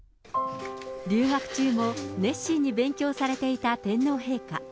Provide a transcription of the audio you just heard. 留学中も熱心に勉強されていた天皇陛下。